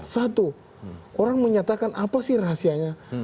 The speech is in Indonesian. satu orang menyatakan apa sih rahasianya